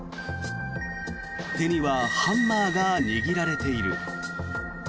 手にはハンマーが握られている。